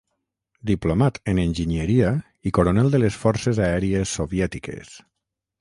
Diplomat en enginyeria i coronel de les Forces Aèries soviètiques.